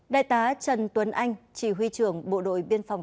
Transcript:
đại tá trần tuấn anh chỉ huy trưởng bộ đội biên phòng công an